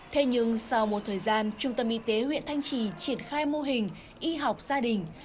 thế nhưng sau một thời gian trung tâm y tế huyện thanh trì triển khai mô hình y học gia đình